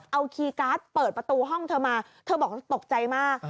เอาคีย์การ์ดเปิดประตูห้องเธอมาเธอบอกตกใจมาก